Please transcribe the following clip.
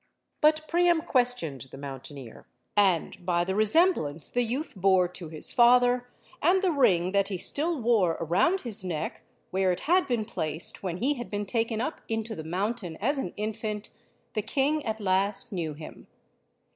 But Priam questioned the mountaineer. And, by the resemblance the youth bore to his father, and the ring that he still wore around his neck, where it had been placed when he had been taken up into the mountain as an infant, the king at last knew him.